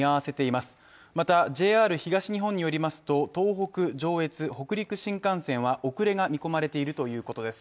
またＪＲ東日本によりますと東北・上越・北陸新幹線は遅れが見込まれているということです。